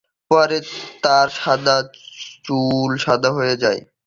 পরে, তার চুল সাদা হয়ে যায়।